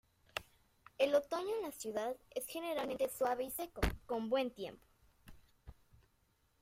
El otoño en la ciudad es generalmente suave y seco, con buen tiempo.